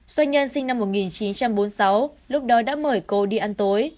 doanh nhân sinh năm một nghìn chín trăm bốn mươi sáu lúc đó đã mời cô đi ăn tối